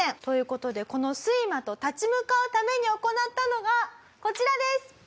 という事でこの睡魔と立ち向かうために行ったのがこちらです